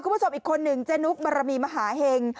คุณผู้ชมอีกคนหนึ่งเจนุกบารมีมหาเห็ง